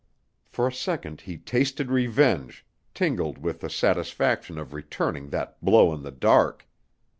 For a second he tasted revenge, tingled with the satisfaction of returning that blow in the dark.